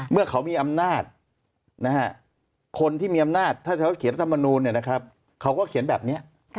เมื่อเขามีอำนาจคนที่มีอำนาจถ้าเขาเขียนรัฐมนูลเขาก็เขียนแบบนี้